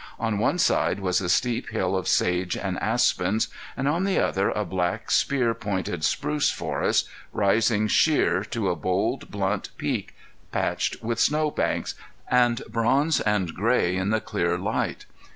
On one side was a steep hill of sage and aspens, and on the other a black, spear pointed spruce forest, rising sheer to a bold, blunt peak patched with snow banks, and bronze and gray in the clear light.